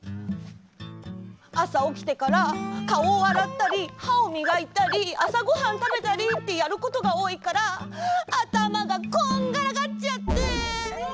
あさおきてからかおをあらったりはをみがいたりあさごはんたべたりってやることがおおいからあたまがこんがらがっちゃって。